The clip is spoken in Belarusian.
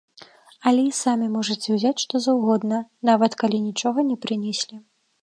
Але і самі можаце ўзяць што заўгодна, нават калі нічога не прынеслі.